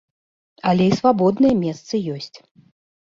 Але і свабодныя месцы ёсць.